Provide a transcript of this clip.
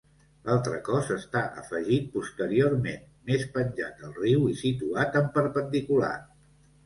L'altre cos està afegit posteriorment, més penjat al riu i situat en perpendicular.